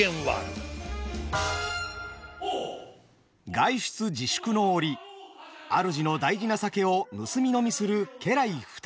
外出自粛の折主の大事な酒を盗み飲みする家来二人。